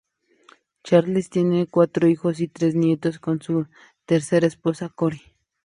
Charles tiene cuatro hijos y tres nietos con su tercera esposa, Cory.